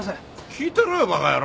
聞いてろよバカヤロー。